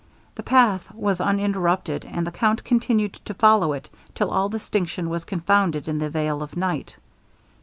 The path was uninterrupted, and the count continued to follow it till all distinction was confounded in the veil of night.